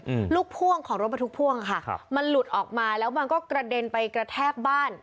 อืมลูกพ่วงของรถบรรทุกพ่วงค่ะครับมันหลุดออกมาแล้วมันก็กระเด็นไปกระแทกบ้าน